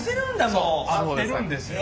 そう会ってるんですよ